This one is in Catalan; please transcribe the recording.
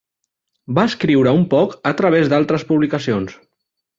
Va escriure un poc a través d'altres publicacions.